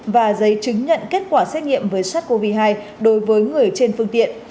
và giấy chứng nhận kết quả xét nghiệm với sars cov hai đối với người trên phương tiện